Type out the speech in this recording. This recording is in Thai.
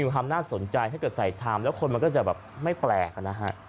ความน่าสนใจถ้าเกิดใส่ชามแล้วคนมันก็จะแบบไม่แปลกนะฮะ